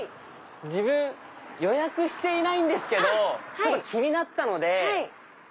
自分予約していないんですけどちょっと気になったので。